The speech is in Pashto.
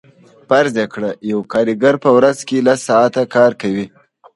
فرض کړئ یو کارګر په ورځ کې لس ساعته کار کوي